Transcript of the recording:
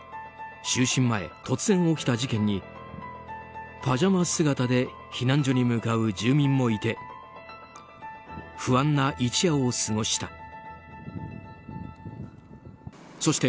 就寝前、突然起きた事件にパジャマ姿で避難所に向かう住民もいて不安な一夜を過ごした。